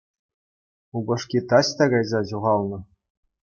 Упӑшки таҫта кайса ҫухалнӑ.